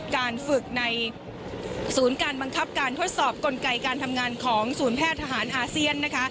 การฝึกในศูนย์การบังคับการทดสอบกลไกการทำงานของศูนย์แพทย์ทหารอาเซียน